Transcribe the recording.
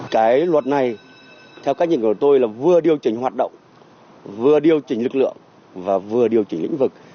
cái luật này theo cách nhìn của tôi là vừa điều chỉnh hoạt động vừa điều chỉnh lực lượng và vừa điều chỉnh lĩnh vực